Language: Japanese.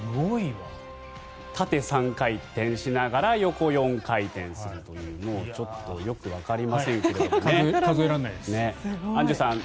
縦３回転しながら横４回転するというちょっとよくわかりませんが。